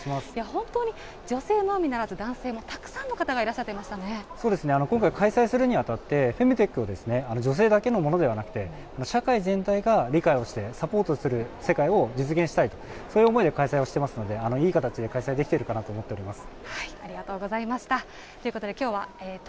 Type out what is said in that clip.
本当に女性のみならず男性もたくさんの方がいらっしゃってい今回、開催するにあたって、フェムテックは女性だけのものでなくて、社会全体が理解をして、サポートする世界を実現したいと、そういう思いで開催をしてますので、いい形で開催できているかなと思っております。